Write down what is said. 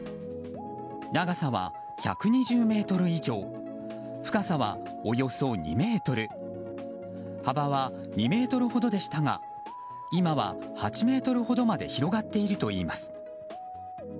長さは１２０ｍ以上深さはおよそ２ｍ幅は２ｍほどでしたが今は８ｍほどまで広がっているといいます。